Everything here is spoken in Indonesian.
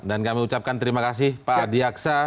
dan kami ucapkan terima kasih pak adi aksa